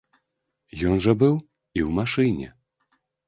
Ён жа быў і ў машыне.